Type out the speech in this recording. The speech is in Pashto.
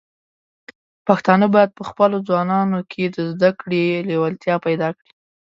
پښتانه بايد په خپلو ځوانانو کې د زده کړې لیوالتیا پيدا کړي.